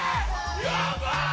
やばい！